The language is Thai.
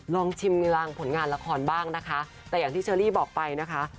ลองชิมรางผลงานละครบ้างนะคะแต่อย่างที่เชอรี่บอกไปนะคะ